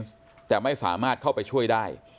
แต่ไม่สามารถเข้าไปช่วยได้